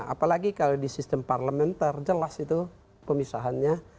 apalagi kalau di sistem parlemen terjelas itu pemisahannya